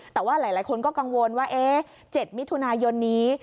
แต่ว่าหลายคนก็กังวลว่า๗มิถุนายนนี้